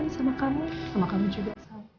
sama kamu juga